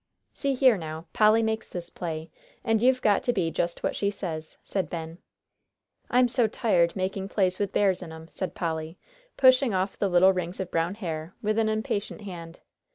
"See here, now, Polly makes this play, and you've got to be just what she says," said Ben. "I'm so tired making plays with bears in 'em," said Polly, pushing off the little rings of brown hair with an impatient hand.